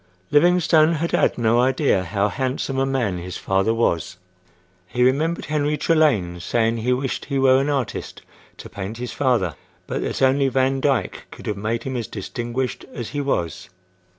Livingstone had had no idea how handsome a man his father was. He remembered Henry Trelane saying he wished he were an artist to paint his father, but that only Van Dyck could have made him as distinguished as he was.